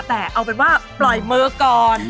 แต่เอาเป็นว่าปล่อยมือก่อน